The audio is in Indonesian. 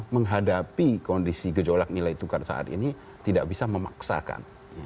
menghadapi kondisi gejolak nilai tukar saat ini tidak bisa memaksakan